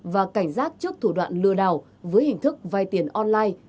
và cảnh giác trước thủ đoạn lừa đảo với hình thức vay tiền online